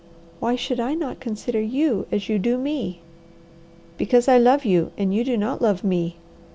"Why should I not consider you as you do me?" "Because I love you, and you do not love me."